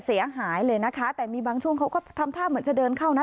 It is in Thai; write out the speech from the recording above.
เสียหายเลยนะคะแต่มีบางช่วงเขาก็ทำท่าเหมือนจะเดินเข้านะ